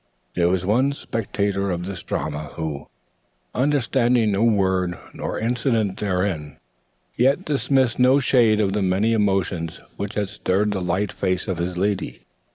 There was one spectator of this drama, who, understanding no word nor incident therein, yet dismissed no shade of the many emotions which had stirred the light face of his lady.